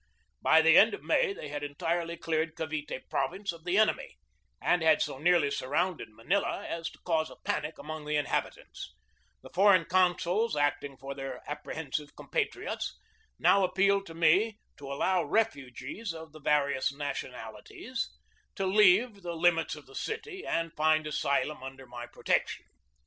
By the end of May they had entirely cleared Cavite Province of the enemy, and had so nearly surrounded Manila as to cause a panic among the inhabitants. The foreign consuls, acting for their apprehensive compatriots, now appealed to me to allow refugees of the various nationalities to leave ^OBIERNO DICTATORIAL FILIPINAS KAVITE, I4th June, 1898.